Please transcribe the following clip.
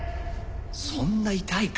そんな痛いか？